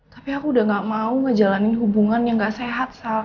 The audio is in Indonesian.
tapi aku udah gak mau ngejalanin hubungan yang gak sehat